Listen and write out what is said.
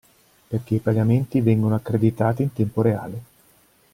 Perché i pagamenti vengono accreditati in tempo reale.